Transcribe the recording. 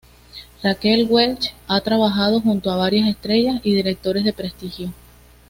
Raquel Welch ha trabajado junto a varias estrellas y directores de prestigio.